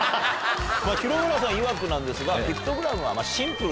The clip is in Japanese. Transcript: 廣村さんいわくなんですがピクトグラムは。